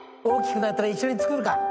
大きくなったら一緒に作るか。